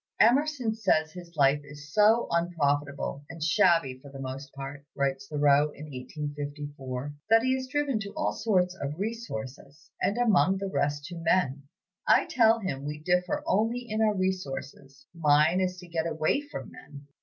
"Emerson says his life is so unprofitable and shabby for the most part," writes Thoreau in 1854, "that he is driven to all sorts of resources, and among the rest to men. I tell him we differ only in our resources: mine is to get away from men.